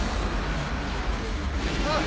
あっ！